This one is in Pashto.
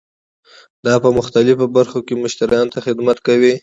دا په مختلفو برخو کې مشتریانو ته خدمت کوي.